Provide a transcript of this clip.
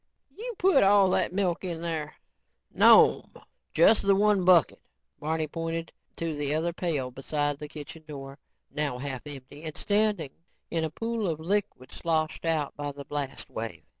"You put all that milk in there?" "No'm, just the one bucket." Barney pointed to the other pail beside the kitchen door, now half empty and standing in a pool of liquid sloshed out by the blast wave.